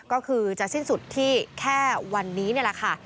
ก็คือจะสิ้นสุดที่แค่วันนี้นี่แหละค่ะ